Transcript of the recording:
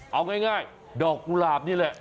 เอาง่ายดอกกุหลาบนี่แหละ